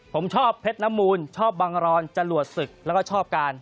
ผมชอบเพชรน้ำมูลชอบบังรอนจรวดศึกแล้วก็ชอบการ